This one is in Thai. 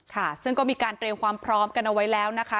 ค่ะซึ่งก็มีการเตรียมความพร้อมกันเอาไว้แล้วนะคะ